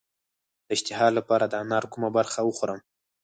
د اشتها لپاره د انار کومه برخه وخورم؟